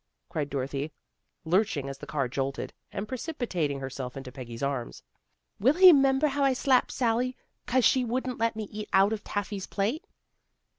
" cried Dorothy, lurching as the car jolted, and precipitating herself into Peggy's arms. u Will he 'member DOROTHY GOES SHOPPING 187 how I slapped Sally, 'cause she wouldn't let me eat out of Taffy's plate?